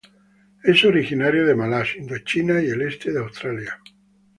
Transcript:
Es originario de Malasia, Indochina y el este de Australia.